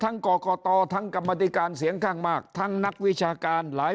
กรกตทั้งกรรมธิการเสียงข้างมากทั้งนักวิชาการหลาย